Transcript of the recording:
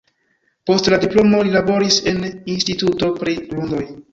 Post la diplomo li laboris en instituto pri grundoj.